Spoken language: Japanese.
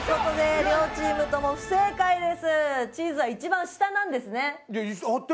両チーム不正解です